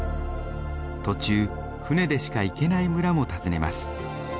途中船でしか行けない村も訪ねます。